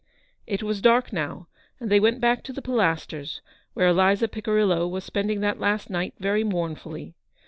It was dark now, and they went back to the Pilasters, where Eliza Picirillo was spending that last night very mournfully.